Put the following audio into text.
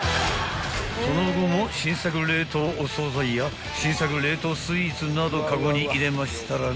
［その後も新作冷凍お総菜や新作冷凍スイーツなどカゴに入れましたらね］